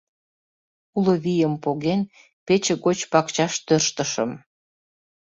Уло вийым поген, пече гоч пакчаш тӧрштышым.